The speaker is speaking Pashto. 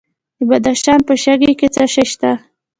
د بدخشان په شکی کې څه شی شته؟